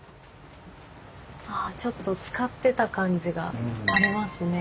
ああちょっと使ってた感じがありますね。